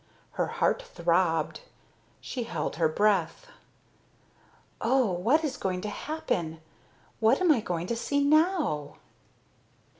Her heart throbbed, she held her breath. "Oh, what is going to happen? What am I going to see now?"